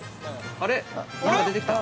◆あれ、なんか出てきた。